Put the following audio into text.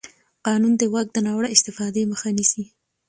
قانون د واک د ناوړه استفادې مخه نیسي.